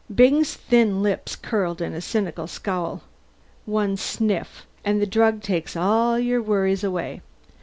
Byng's thin lips curled in a cynical scowl. "One sniff. And the drug takes all your worries away.